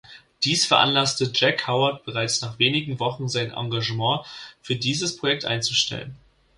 Dies veranlasste Jack Howard bereits nach wenigen Wochen, sein Engagement für dieses Projekt einzustellen.